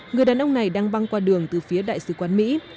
người đàn ông này đang băng qua đường từ phía đại sứ quán mỹ